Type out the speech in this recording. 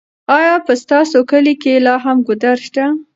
ایا په ستاسو کلي کې لا هم ګودر شته؟